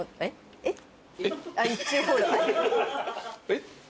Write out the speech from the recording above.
えっ？